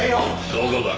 どこだ？